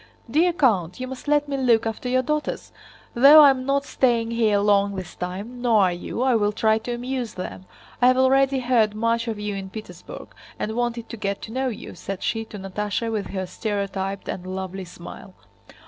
"Dear count, you must let me look after your daughters! Though I am not staying here long this time—nor are you—I will try to amuse them. I have already heard much of you in Petersburg and wanted to get to know you," said she to Natásha with her stereotyped and lovely smile.